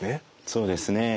そうですねえ。